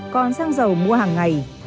còn xăng dầu mua hàng ngày